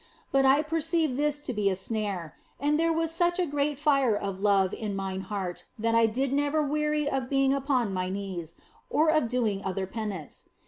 But I perceived this to be a snare ; and there was such a great fire of love in mine heart that I did never weary of being upon my knees, or of doing other penance.